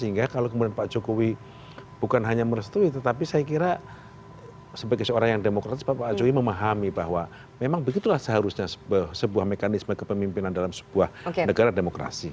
sehingga kalau kemudian pak jokowi bukan hanya merestui tetapi saya kira sebagai seorang yang demokratis pak jokowi memahami bahwa memang begitulah seharusnya sebuah mekanisme kepemimpinan dalam sebuah negara demokrasi